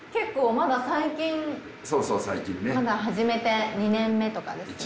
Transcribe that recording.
まだ始めて２年目とかですか？